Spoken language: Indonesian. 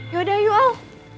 yaudah yuk al